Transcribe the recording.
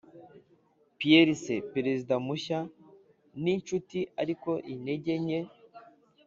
pierce, perezida mushya, ninshuti ariko intege nke